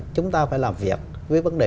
chúng ta phải làm việc với vấn đề